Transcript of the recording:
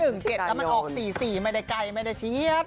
ซื้อ๑๗แล้วมันออก๔ไม่ได้ไกลไม่ได้เชียบ